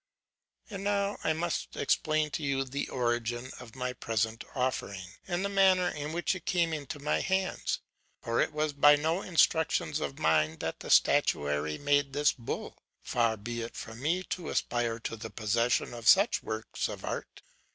And now I must explain to you the origin of my present offering, and the manner in which it came into my hands. For it was by no instructions of mine that the statuary made this bull: far be it from me to aspire to the possession of such works of art!